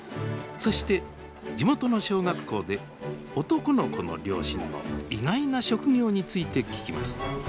そして地元の小学校で男の子の両親の意外な職業について聞きます